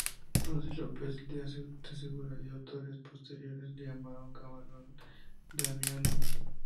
Ruy López de Segura, y autores posteriores, lo llamaron 'camarón Damiano'.